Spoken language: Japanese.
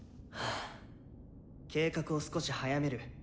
ハァ計画を少し早める。